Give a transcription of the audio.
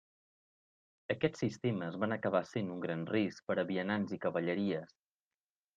Aquests sistemes van acabar sent un gran risc per a vianants i cavalleries.